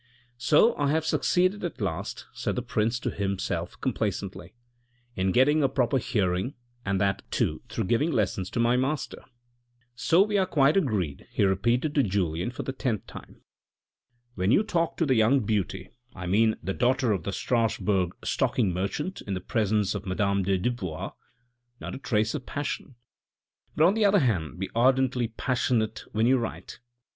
"So I have succeeded at last," said the prince to himself complacently, " in getting a proper hearing and that too through giving lessons to my master." " So we are quite agreed," he repeated to Julien for the tenth time. "When you talk to the young beauty, I mean the daughter of the Strasbourg stocking merchant in the presence of madame de Dubois, not a trace of passion. But on the other hand be ardently passionate when you write.